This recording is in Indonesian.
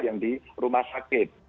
yang di rumah sakit